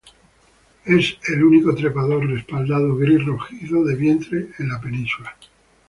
Es el único trepador respaldados gris rojizo de vientre en la península.